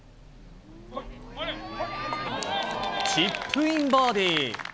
チップインバーディー。